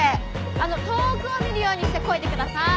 あの遠くを見るようにしてこいでくださーい。